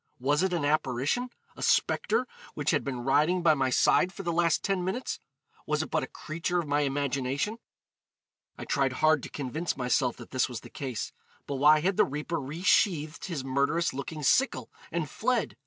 was it an apparition a spectre, which had been riding by my side for the last ten minutes? was it but a creature of my imagination? I tried hard to convince myself that this was the case; but why had the reaper resheathed his murderous looking sickle and fled?